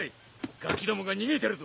ガキどもが逃げてるぞ。